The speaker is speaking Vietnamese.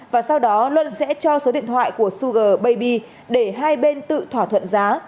và sau đó luân sẽ cho số điện thoại của suga baby để hai bên tự thỏa thuận giá